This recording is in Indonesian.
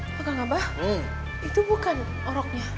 agak agak abah itu bukan orangnya